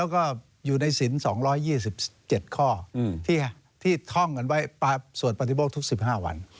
ก็อยู่ในศิลป์๒๒๗ข้อที่ท่องกันไว้ส่วนปฏิโภคทุก๑๕วัน